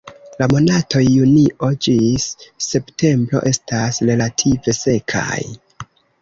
La monatoj junio ĝis septembro estas relative sekaj.